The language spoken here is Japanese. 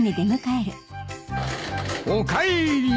おかえり！